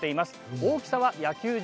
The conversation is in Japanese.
大きさは野球場